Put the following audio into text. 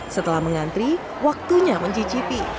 setelah mengantri waktunya mencicipi